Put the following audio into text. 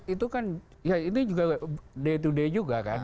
itu kan ya itu juga day to day juga kan